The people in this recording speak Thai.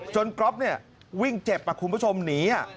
ก๊อฟวิ่งเจ็บคุณผู้ชมหนี